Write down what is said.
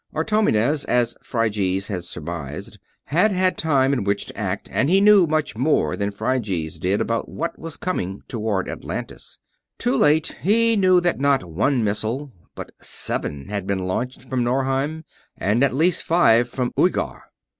Artomenes, as Phryges had surmised, had had time in which to act, and he knew much more than Phryges did about what was coming toward Atlantis. Too late, he knew that not one missile, but seven, had been launched from Norheim, and at least five from Uighar.